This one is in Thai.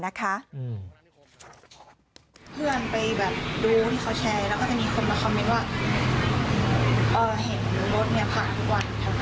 ที่มันควรจะออกมาขอโทษหรืออะไรก็ได้สักอย่างด้วยแล้ว